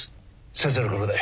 先生の車で。